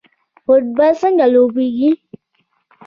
فوټبال څنګه لوبیږي؟